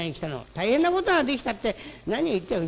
「大変なことができたって何を言ってやがる。